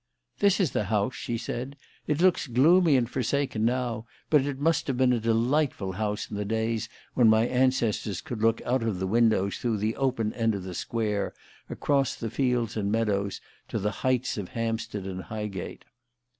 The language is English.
"This is the house," she said. "It looks gloomy and forsaken now; but it must have been a delightful house in the days when my ancestors could look out of the windows through the open end of the square across the fields and meadows to the heights of Hampstead and Highgate."